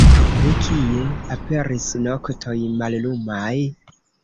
De kie aperis noktoj mallumaj?